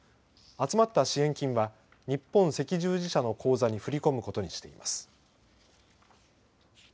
集まった支援金は日本赤十字社の口座に振り込むことにしています。